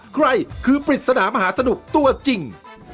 ใครคือปริศนามหาสนุกตัวจริง